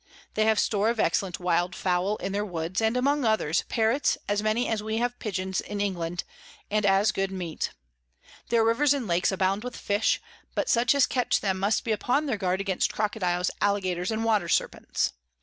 They have Store of excellent Wild Fowl in their Woods, and among others, Parrots as many as we have Pidgeons in England, and as good Meat. Their Rivers and Lakes abound with Fish, but such as catch them must be upon their guard against Crocodiles, Alligators, and Water Serpents.